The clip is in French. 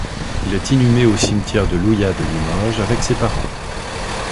Il est inhumé au cimetière de Louyat de Limoges avec ses parents.